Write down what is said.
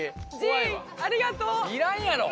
いらんやろ！